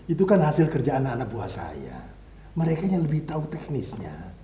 itu kan hasil kerja anak anak buah saya mereka yang lebih tahu teknisnya